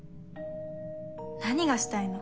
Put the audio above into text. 何がしたいの？